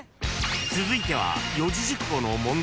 ［続いては四字熟語の問題］